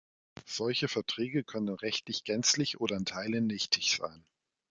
Solche Verträge können rechtlich gänzlich oder in Teilen nichtig sein.